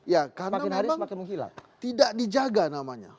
ya karena memang tidak dijaga namanya